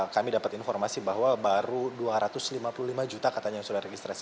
kami dapat informasi bahwa baru dua ratus lima puluh lima juta katanya yang sudah registrasi